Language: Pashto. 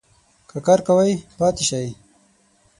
که کار کوی ؟ پاته سئ